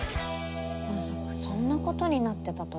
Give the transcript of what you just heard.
まさかそんなことになってたとは。